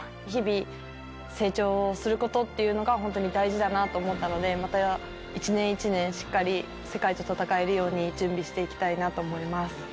日々、成長することっていうのが、本当に大事だなと思ったので、また一年一年、しっかり世界と戦えるように、準備していきたいなと思います。